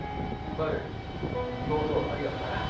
マル妹をありがとうな。